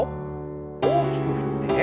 大きく振って。